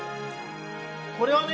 これはね